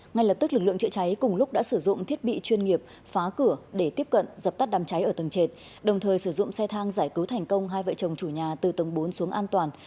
ngay lập tức lực lượng chữa cháy cùng lúc đã sử dụng thiết bị chuyên nghiệp phá cửa để tiếp cận dập tắt đám cháy ở tầng trệt đồng thời sử dụng xe thang giải cứu thành công hai vợ chồng chủ nhà từ tầng bốn xuống an toàn